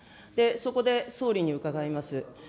そこで総理に伺います。